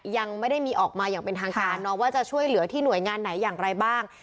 ยังไม่ได้มีออกมาอย่างเป็นทางการว่าจะช่วยเหลือที่หน่วยงานไหนอย่างไรบ้าง